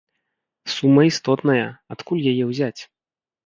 Сума істотная, адкуль яе ўзяць?